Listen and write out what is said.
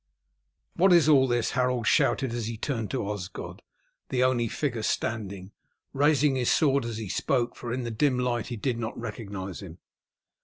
"What is all this?" Harold shouted as he turned to Osgod, the only figure standing, raising his sword as he spoke, for in the dim light he did not recognize him.